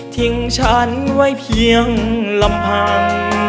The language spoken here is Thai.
ทิ้งฉันไว้เพียงลำพัง